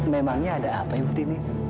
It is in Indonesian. memangnya ada apa ibu tini